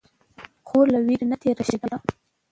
خور له ویرې نه تېره شوې ده.